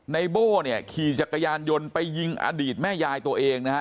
ในโบ้เนี่ยขี่จักรยานยนต์ไปยิงอดีตแม่ยายตัวเองนะฮะ